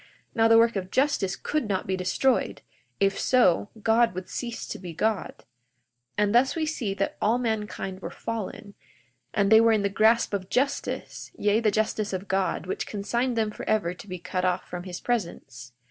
Now the work of justice could not be destroyed; if so, God would cease to be God. 42:14 And thus we see that all mankind were fallen, and they were in the grasp of justice; yea, the justice of God, which consigned them forever to be cut off from his presence.